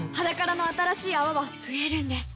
「ｈａｄａｋａｒａ」の新しい泡は増えるんです